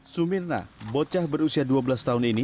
sumirna bocah berusia dua belas tahun ini